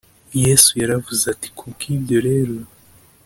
Yesu yaravuze ati ku bw ibyo rero